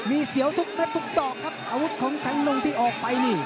มีเสียวทุกต่อครับอาวุธของแสนท่านงที่ออกไปนี่